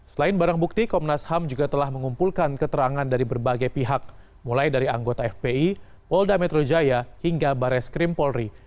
selain barang bukti komnas ham juga telah mengumpulkan keterangan dari berbagai pihak mulai dari anggota fpi polda metro jaya hingga bares krim polri